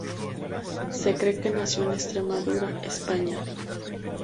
Se cree que nació en Extremadura, España.